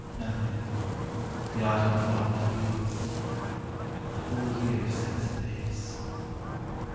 ... Nothing : the autumn fall of leaves. The whole year sets apace.)